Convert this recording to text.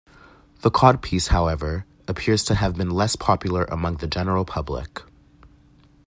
The codpiece, however, appears to have been less popular among the general public.